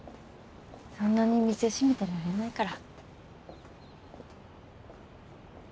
そんなに店閉めてられないから。